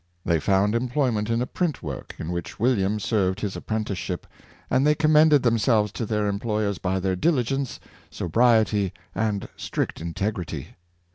They found employment in a print work, in which William served his apprentice ship; and they commended themselves to their em ployers by their diligence, sobriety, and strict integrity.